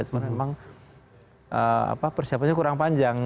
cuman memang persiapannya kurang panjang